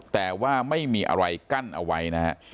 แต่ว่าไม่มีอะไรกั้นเอาไว้นะฮะ